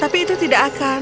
tapi itu tidak akan